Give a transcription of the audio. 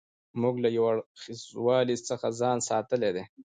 موږ له یو اړخیزوالي څخه ځان ساتلی دی.